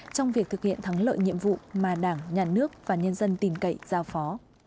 trong việc thực hiện thắng lợi nhiệm vụ mà đảng nhà nước và nhân dân tin cậy giao phó